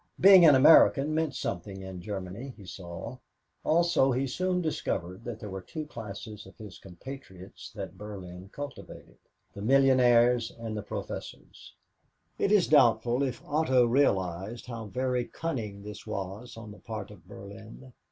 Being an American meant something in Germany, he saw; also he soon discovered that there were two classes of his compatriots that Berlin cultivated the millionaires and the professors. It is doubtful if Otto realized how very cunning this was on the part of Berlin.